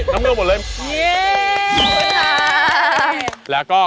น้ำเงินหมดเลย